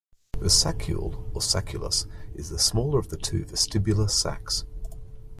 The saccule, or sacculus, is the smaller of the two vestibular sacs.